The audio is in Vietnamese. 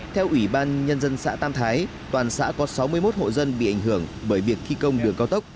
theo ủy ban nhân dân xã tam thái toàn xã có sáu mươi một hộ dân bị ảnh hưởng bởi việc thi công đường cao tốc